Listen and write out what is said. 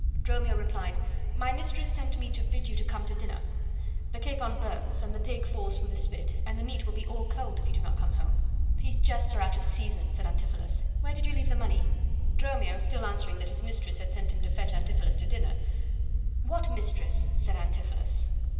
Dromio replied: "My mistress sent me to bid you come to dinner. The capon burns, and the pig falls from the spit, and the meat will be all cold if you do not come home." "These jests are out of season," said Antipholus. "Where did you leave the money?" Dromio still answering that his mistress had sent him to fetch Antipholus to dinner, "What mistress?" said Antipholus.